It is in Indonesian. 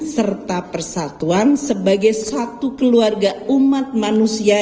serta persatuan sebagai satu keluarga umat manusia